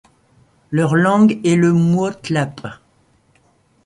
Leur langue est le mwotlap.